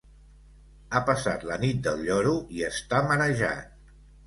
Ha passat la nit del lloro i està marejat.